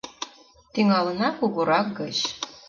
Тӱҥалына кугурак гыч.